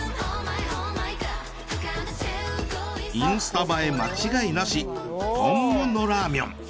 インスタ映え間違いなしトンムノラーミョン。